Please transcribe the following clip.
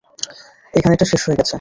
এখানেরটা শেষ হয়ে গেছে।